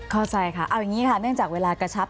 เข้าใจค่ะเอาอย่างนี้ค่ะเนื่องจากเวลากระชับ